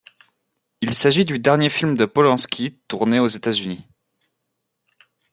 Il s'agit du dernier film de Polanski tourné aux États-Unis.